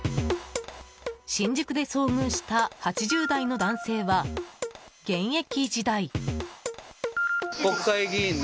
新宿で遭遇した８０代の男性は現役時代。